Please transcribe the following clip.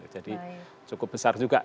jadi cukup besar juga